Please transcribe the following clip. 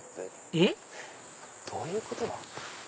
えっ？どういうことだ？